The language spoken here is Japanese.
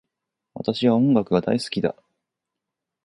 私は音楽が大好きだ